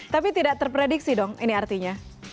tapi tidak terprediksi dong ini artinya